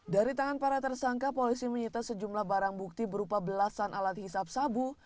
dari tangan para tersangka polisi menyita sejumlah barang bukti berupa belasan alat hisap sabu